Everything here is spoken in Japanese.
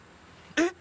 えっ！？